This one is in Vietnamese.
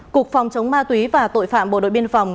cục phòng chống ma túy và tội phạm bộ đội biên phòng